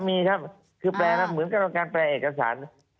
มีครับคือแปลว่าเหมือนกับการแปลเอกสาร